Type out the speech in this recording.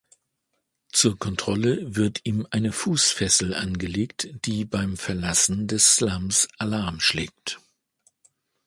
Zur Kontrolle wird ihm eine Fußfessel angelegt, die beim Verlassen des Slums Alarm schlägt.